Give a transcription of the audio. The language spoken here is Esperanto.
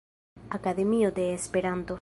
Akademio de Esperanto.